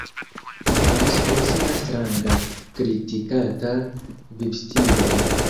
Li famis pro sia stranga -kritikata- vivstilo.